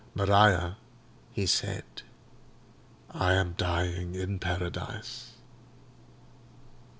"'Maria,' he said, 'I am dying in Paradise.